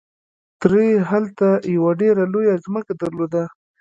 تره يې هلته يوه ډېره لويه ځمکه درلوده.